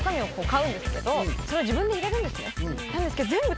それを自分で入れるんですねなんですけど。